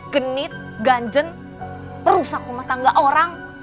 genit ganjeng perusak rumah tangga orang